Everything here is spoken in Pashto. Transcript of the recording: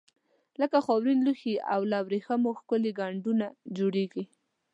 لکه خاورین لوښي او له وریښمو ښکلي ګنډونه جوړیږي.